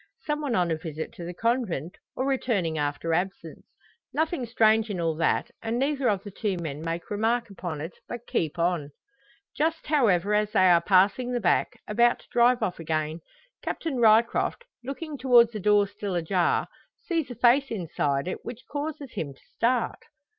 Some one on a visit to the Convent, or returning after absence. Nothing strange in all that; and neither of the two men make remark upon it, but keep on. Just however, as they are passing the back, about to drive off again, Captain Ryecroft, looking towards the door still ajar, sees a face inside it which causes him to start.